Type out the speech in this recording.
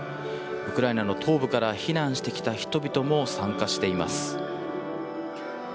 ウクライナの東部から避難してきた人々も参加しています。